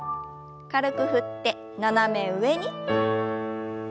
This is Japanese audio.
軽く振って斜め上に。